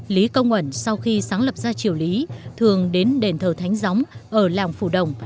lý công uẩn sau khi sáng lập ra triều lý thường đến đền thờ thánh gióng ở làng phù đồng